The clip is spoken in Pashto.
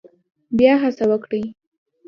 بیا هڅه وکړئ